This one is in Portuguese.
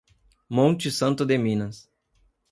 Monte Santo de Minas